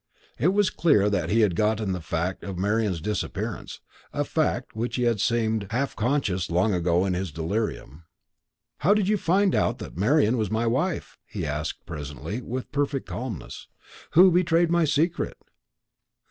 It was clear that he had forgotten the fact of Marian's disappearance, a fact of which he had seemed half conscious long ago in his delirium. "How did you find out that Marian was my wife?" he asked presently, with perfect calmness. "Who betrayed my secret?"